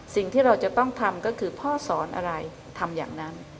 สิ่งที่เราจะต้องทำก็คือพ่อสอนอะไรทำอย่างนั้น